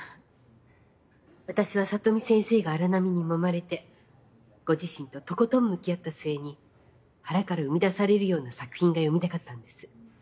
私は里見先生が荒波にもまれてご自身ととことん向き合った末に腹から生み出されるような作品が読みたかったんです。